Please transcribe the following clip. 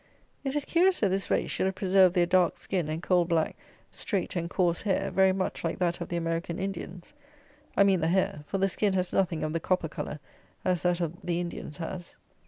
It is curious that this race should have preserved their dark skin and coal black straight and coarse hair, very much like that of the American Indians. I mean the hair, for the skin has nothing of the copper colour as that of the Indians has.